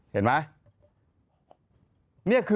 เห็นไหม